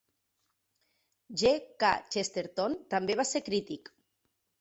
G. K. Chesterton també va ser crític.